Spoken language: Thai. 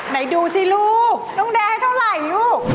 ไหนดูสิลูกน้องแดงให้เท่าไหร่ลูก